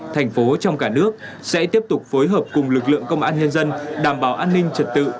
thành phố trong cả nước sẽ tiếp tục phối hợp cùng lực lượng công an nhân dân đảm bảo an ninh trật tự